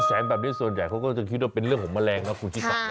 แสงแบบนี้ส่วนใหญ่เขาก็จะคิดว่าเป็นเรื่องของแมลงนะคุณชิสา